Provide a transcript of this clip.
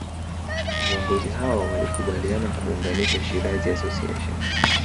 Viongozi hao walikubaliana kuunganisha Shirazi Association